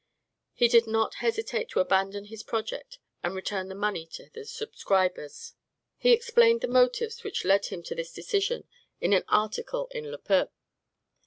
He did not hesitate to abandon his project and return the money to the subscribers. He explained the motives which led him to this decision in an article in "Le Peuple."